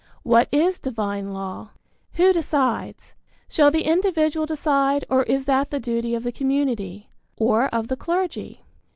What is divine law? Who decides? Shall the individual decide, or is that the duty of the community? Or of the clergy?